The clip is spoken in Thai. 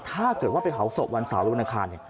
ถ้าเกิดว่าไปหาวศพวันเสาร์อังคาร